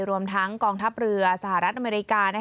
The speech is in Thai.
รวมทั้งกองทัพเรือสหรัฐอเมริกา